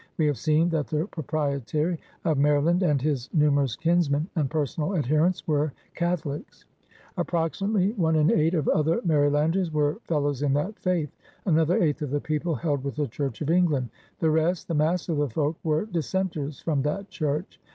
We have seen that the Proprietary of Maryland and his numerous kinsmen and personal adher ents were Catholics. Approximately one in eight of other Marylanders were fellows in that faith. Another eighth of the people held with the Church of England. The rest, the mass of the folk, were dissenters from that Church.